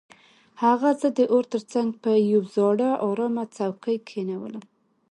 هغه زه د اور تر څنګ په یو زاړه ارامه څوکۍ کښینولم